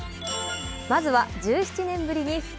まずは１７年ぶりに復活。